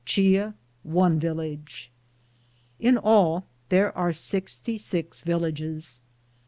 Chin," one village. In all, there are sixty six villages.